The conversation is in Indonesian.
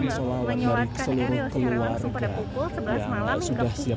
menyelamatkan eril secara langsung pada pukul sebelas malam hingga pukul sebelas pagi besok